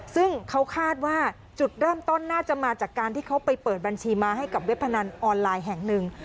ซึ่งเขาคาดว่าจุดเริ่มต้นน่าจะมาจากการที่เขาไปเปิดบัญชีมาให้กับเว็บพนันออนไลน์แห่งหนึ่ง